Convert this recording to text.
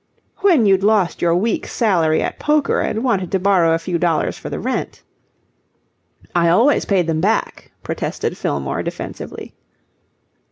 "... when you'd lost your week's salary at poker and wanted to borrow a few dollars for the rent." "I always paid them back," protested Fillmore, defensively.